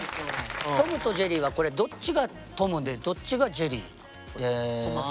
「トムとジェリー」はこれどっちがトムでどっちがジェリー？え。